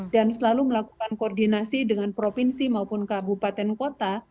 dan selalu melakukan koordinasi dengan provinsi maupun kabupaten kota